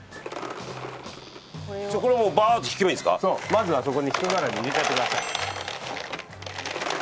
まずはそこにひと並び入れちゃってください。